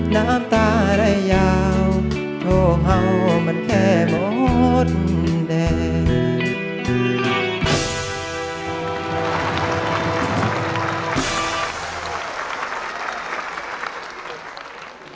น้ำตาได้ยาวโทรเห่ามันแค่มดแดง